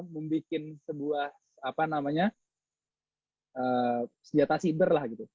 membuat sebuah senjata siber